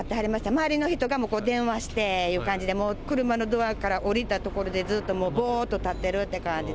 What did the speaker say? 周りの人がもう電話していう感じで、もう車のドアから降りた所で、ずっともうぼーっと立ってるって感じ。